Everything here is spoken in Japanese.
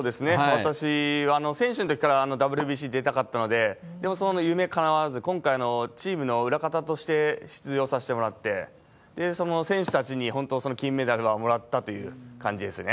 私、選手のときからＷＢＣ出たかったので、でもその夢かなわず、今回、チームの裏方として出場させてもらって、その選手たちに本当、その金メダルをもらったという感じですね。